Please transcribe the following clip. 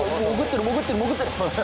潜ってる、潜ってる！